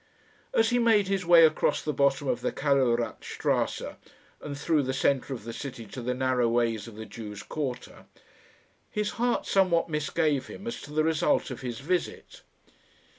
As he made his way across the bottom of the Kalowrat strasse and through the centre of the city to the narrow ways of the Jews' quarter, his heart somewhat misgave him as to the result of his visit.